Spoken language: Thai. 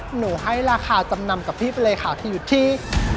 หนูให้ราคาจำนำกับพี่ไปเลยค่ะคืออยู่ที่